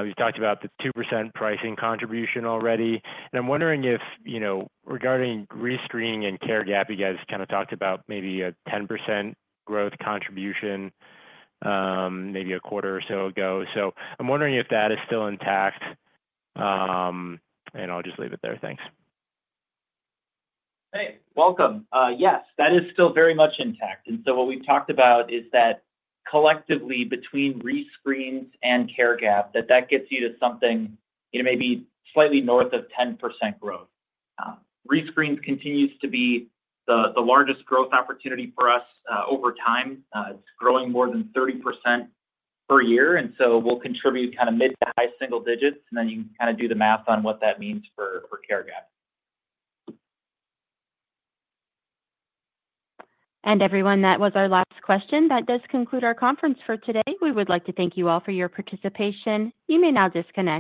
You talked about the 2% pricing contribution already. And I'm wondering if regarding rescreening and care gap, you guys kind of talked about maybe a 10% growth contribution maybe a quarter or so ago. So I'm wondering if that is still intact. And I'll just leave it there. Thanks. Hey. Welcome. Yes, that is still very much intact. And so what we've talked about is that collectively between rescreens and care gap, that gets you to something maybe slightly north of 10% growth. Rescreens continues to be the largest growth opportunity for us over time. It's growing more than 30% per year. And so we'll contribute kind of mid to high single digits. And then you can kind of do the math on what that means for care gap. Everyone, that was our last question. That does conclude our conference for today. We would like to thank you all for your participation. You may now disconnect.